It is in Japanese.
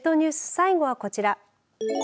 最後はこちら。